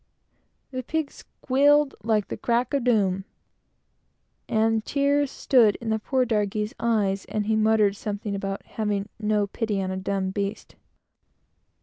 The pig squealed like the "crack of doom," and tears stood in the poor darky's eyes; and he muttered something about having no pity on a dumb beast.